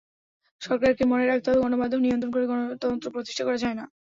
সরকারকে মনে রাখতে হবে, গণমাধ্যম নিয়ন্ত্রণ করে গণতন্ত্র প্রতিষ্ঠা করা যায় না।